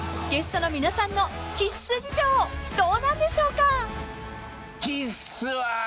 ［ゲストの皆さんのキッス事情どうなんでしょうか？］